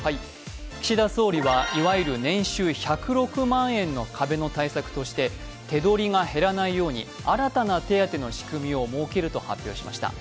岸田総理はいわゆる年収１０６万円の壁の対策として、手取りが減らないように新たな手当の仕組みを設けると発表しました。